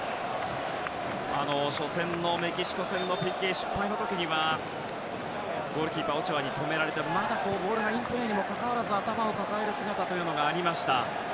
初戦のメキシコ戦のＰＫ失敗の時にはゴールキーパーのオチョアに止められてまだボールがインプレーにもかかわらず頭を抱える姿がありました。